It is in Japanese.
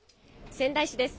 仙台市です。